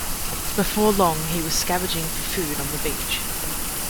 Before long he was scavenging for food on the beach.